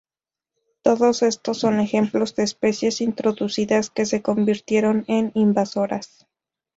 Todos estos son ejemplos de especies introducidas que se convirtieron en invasoras.